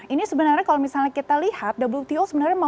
ini sebenarnya kalau misalnya kita lihat wto sebenarnya mau sebebas apa sih ya